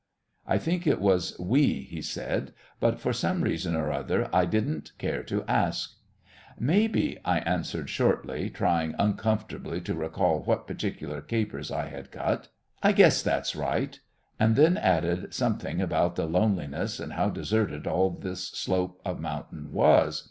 I think it was "we" he said, but for some reason or other I didn't care to ask. "Maybe," I answered shortly, trying uncomfortably to recall what particular capers I had cut. "I guess that's right." And then I added something about the loneliness, and how deserted all this slope of mountain was.